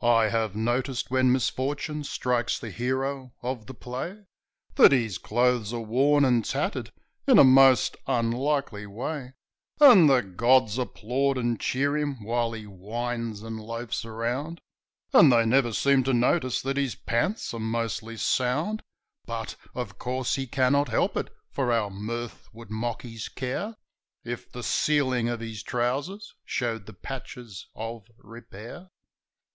I have noticed when misfortune strikes the hero of the play That his clothes are worn and tattered in a most unlikely way ; And the gods applaud and cheer him while he whines and loafs around, But they never seem to notice that his pants are mostly sound ; Yet, of course, he cannot help it, for our mirth would mock his care If the ceiling of his trousers showed the patches of repair.